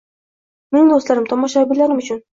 Mening do‘stlarim, tomoshabinlarim uchun.